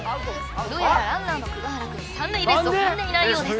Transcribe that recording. どうやらランナーの久我原くん三塁ベースを踏んでいないようです